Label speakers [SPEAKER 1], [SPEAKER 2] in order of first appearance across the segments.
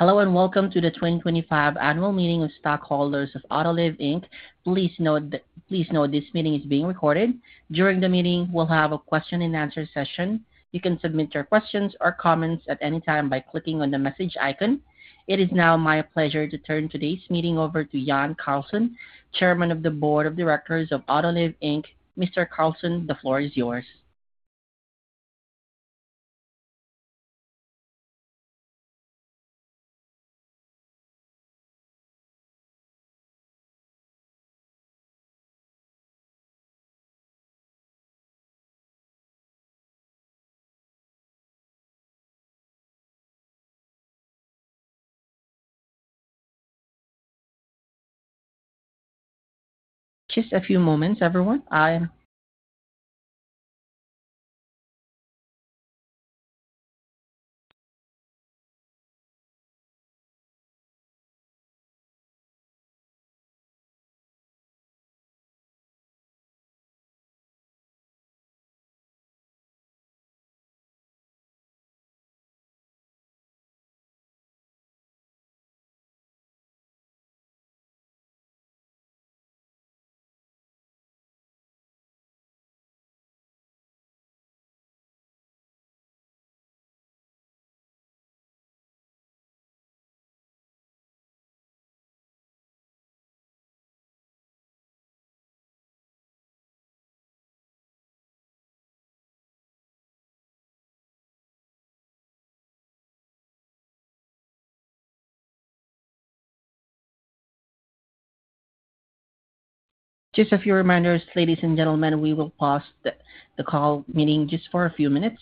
[SPEAKER 1] Hello and welcome to the 2025 Annual Meeting of Stockholders of Autoliv Inc. Please note this meeting is being recorded. During the meeting, we'll have a question-and-answer session. You can submit your questions or comments at any time by clicking on the message icon. It is now my pleasure to turn today's meeting over to Jan Carlson, Chairman of the Board of Directors of Autoliv Inc. Mr. Carlson, the floor is yours. Just a few moments, everyone. Just a few reminders, ladies and gentlemen, we will pause the call meeting just for a few minutes.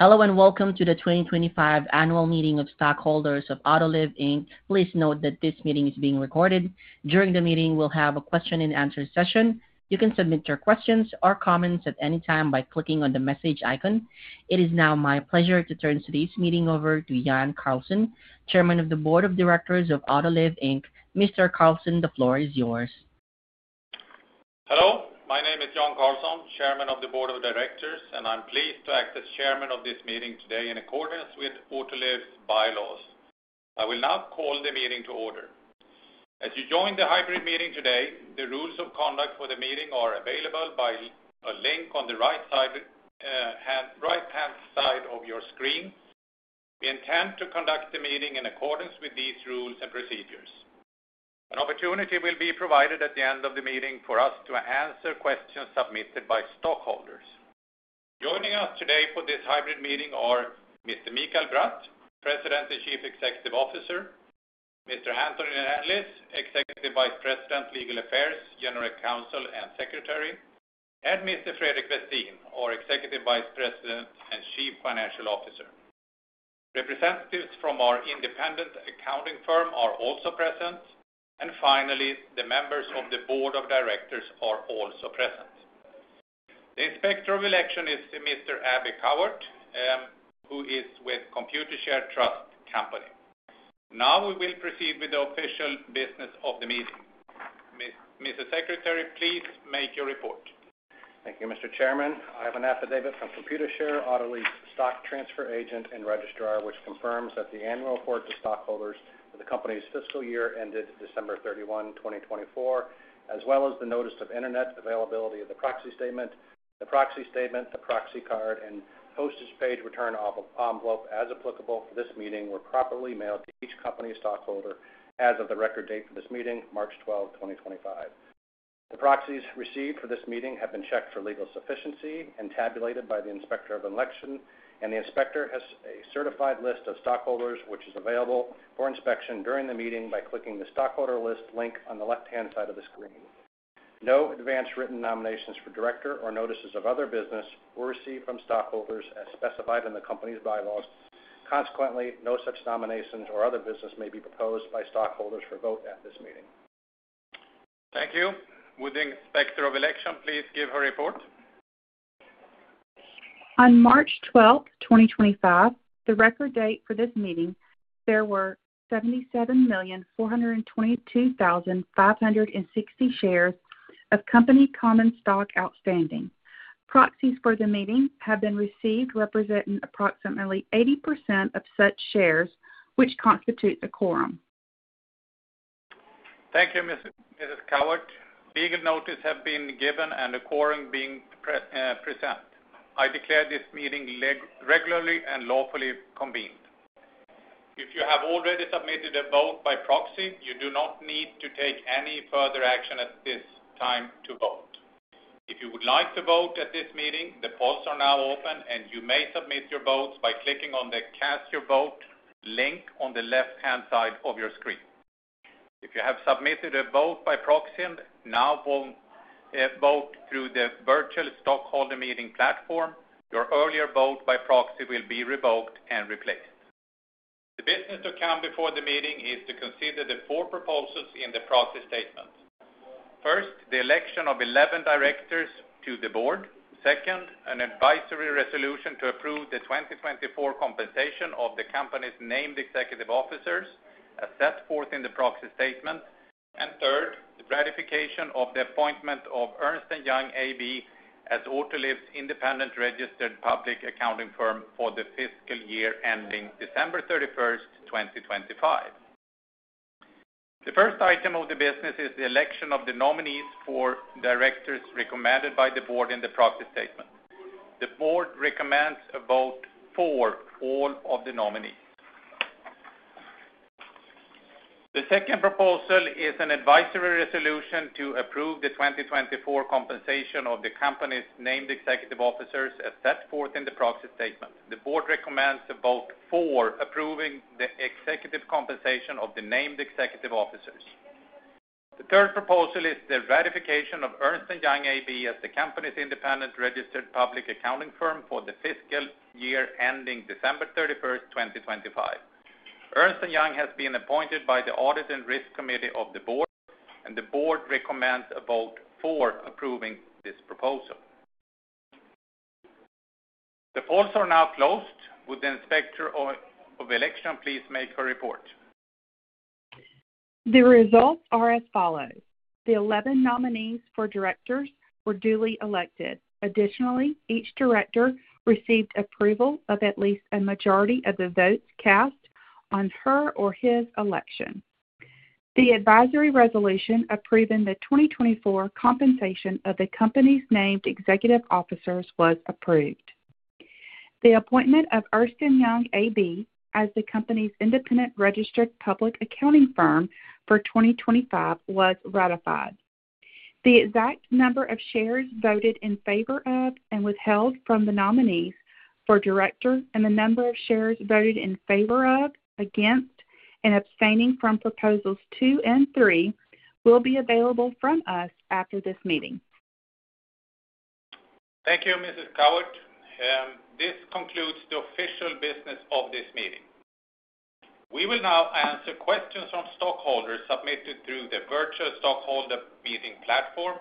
[SPEAKER 1] Hello and welcome to the 2025 Annual Meeting of Stockholders of Autoliv Inc. Please note that this meeting is being recorded. During the meeting, we'll have a question-and-answer session. You can submit your questions or comments at any time by clicking on the message icon. It is now my pleasure to turn today's meeting over to Jan Carlson, Chairman of the Board of Directors of Autoliv. Mr. Carlson, the floor is yours.
[SPEAKER 2] Hello, my name is Jan Carlson, Chairman of the Board of Directors, and I'm pleased to act as Chairman of this meeting today in accordance with Autoliv's bylaws. I will now call the meeting to order. As you join the hybrid meeting today, the rules of conduct for the meeting are available by a link on the right-hand side of your screen. We intend to conduct the meeting in accordance with these rules and procedures. An opportunity will be provided at the end of the meeting for us to answer questions submitted by stockholders. Joining us today for this hybrid meeting are Mr. Mikael Bratt, President and Chief Executive Officer; Mr. Antoni Llanlis, Executive Vice President, Legal Affairs, General Counsel and Secretary; and Mr. Fredrik Westin, our Executive Vice President and Chief Financial Officer. Representatives from our independent accounting firm are also present, and finally, the members of the Board of Directors are also present. The Inspector of Election is Mr. Abby Cowhart, who is with Computershare Trust Company. Now we will proceed with the official business of the meeting. Mr. Secretary, please make your report.
[SPEAKER 3] Thank you, Mr. Chairman. I have an affidavit from Computershare, Autoliv's stock transfer agent and registrar, which confirms that the annual report to stockholders that the company's fiscal year ended December 31, 2024, as well as the notice of internet availability of the proxy statement, the proxy statement, the proxy card, and postage paid return envelope as applicable for this meeting were properly mailed to each company stockholder as of the record date for this meeting, March 12, 2025. The proxies received for this meeting have been checked for legal sufficiency and tabulated by the Inspector of Election, and the Inspector has a certified list of stockholders which is available for inspection during the meeting by clicking the stockholder list link on the left-hand side of the screen. No advanced written nominations for director or notices of other business were received from stockholders as specified in the company's bylaws. Consequently, no such nominations or other business may be proposed by stockholders for vote at this meeting.
[SPEAKER 2] Thank you. Would the Inspector of Election please give her report?
[SPEAKER 4] On March 12, 2025, the record date for this meeting, there were 77,422,560 shares of company common stock outstanding. Proxies for the meeting have been received representing approximately 80% of such shares, which constitutes a quorum.
[SPEAKER 2] Thank you, Ms. Cowhart. Legal notice has been given and the quorum being present. I declare this meeting regularly and lawfully convened. If you have already submitted a vote by proxy, you do not need to take any further action at this time to vote. If you would like to vote at this meeting, the polls are now open, and you may submit your votes by clicking on the Cast Your Vote link on the left-hand side of your screen. If you have submitted a vote by proxy and now vote through the virtual stockholder meeting platform, your earlier vote by proxy will be revoked and replaced. The business to come before the meeting is to consider the four proposals in the proxy statement. First, the election of 11 directors to the board. Second, an advisory resolution to approve the 2024 compensation of the company's named executive officers, as set forth in the proxy statement. Third, the ratification of the appointment of Ernst & Young AB as Autoliv's independent registered public accounting firm for the fiscal year ending December 31, 2025. The first item of the business is the election of the nominees for directors recommended by the board in the proxy statement. The board recommends a vote for all of the nominees. The second proposal is an advisory resolution to approve the 2024 compensation of the company's named executive officers, as set forth in the proxy statement. The board recommends a vote for approving the executive compensation of the named executive officers. The third proposal is the ratification of Ernst & Young AB as the company's independent registered public accounting firm for the fiscal year ending December 31, 2025. Ernst & Young has been appointed by the Audit and Risk Committee of the board, and the board recommends a vote for approving this proposal. The polls are now closed. Would the Inspector of Election please make her report?
[SPEAKER 4] The results are as follows. The 11 nominees for directors were duly elected. Additionally, each director received approval of at least a majority of the votes cast on her or his election. The advisory resolution approving the 2024 compensation of the company's named executive officers was approved. The appointment of Ernst & Young AB as the company's independent registered public accounting firm for 2025 was ratified. The exact number of shares voted in favor of and withheld from the nominees for director and the number of shares voted in favor of, against, and abstaining from proposals two and three will be available from us after this meeting.
[SPEAKER 2] Thank you, Ms. Cowhart. This concludes the official business of this meeting. We will now answer questions from stockholders submitted through the virtual stockholder meeting platform,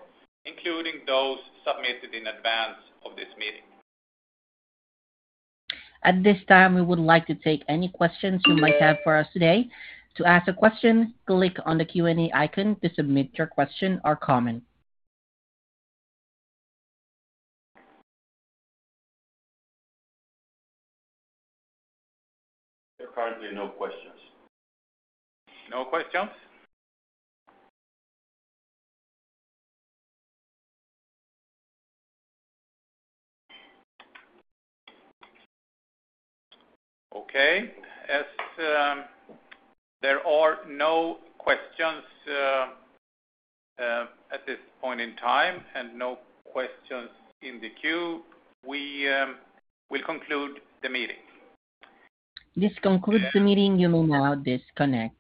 [SPEAKER 2] including those submitted in advance of this meeting.
[SPEAKER 1] At this time, we would like to take any questions you might have for us today. To ask a question, click on the Q&A icon to submit your question or comment.
[SPEAKER 2] There are currently no questions. No questions? Okay. As there are no questions at this point in time and no questions in the queue, we will conclude the meeting.
[SPEAKER 1] This concludes the meeting. You may now disconnect.